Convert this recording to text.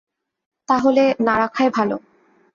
তাহলে, না রাখাই ভালো।